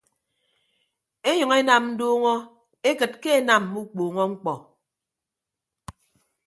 Enyʌñ enam nduuñọ ekịt ke enam mme ukpuuñọ ñkpọ.